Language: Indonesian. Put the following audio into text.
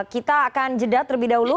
kita akan jeda terlebih dahulu